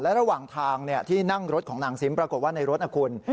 ระหว่างทางที่นั่งรถของนางซิมปรากฏว่าในรถนะคุณ